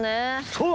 そう！